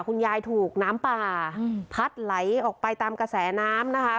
คุณยายถูกน้ำป่าพัดไหลออกไปตามกระแสน้ำนะคะ